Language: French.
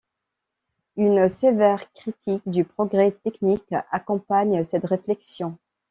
Une sévère critique du progrès technique accompagne cette réflexion.